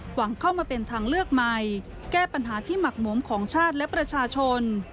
หวังเข้ามาเป็นทางเลือกใหม่แก้ปัญหาที่หมักหมวมของชาติและประชาชน